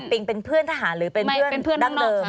เป็นเพื่อนทหารหรือเป็นเพื่อนดั้งเดิม